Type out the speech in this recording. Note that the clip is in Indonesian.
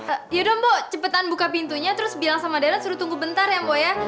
eh yaudah bu cepetan buka pintunya terus bilang sama darren suruh tunggu bentar ya bu ya